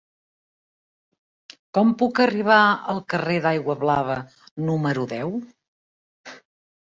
Com puc arribar al carrer d'Aiguablava número deu?